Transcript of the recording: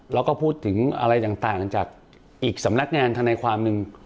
แล้วก็พูดถึงอะไรต่างจากอีกสำนักงานธนายความหนึ่ง